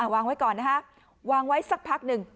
วางไว้ก่อนนะฮะวางไว้สักพักหนึ่ง